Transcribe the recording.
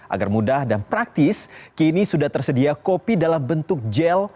agar mudah dan praktis kini sudah tersedia kopi dalam bentuk gel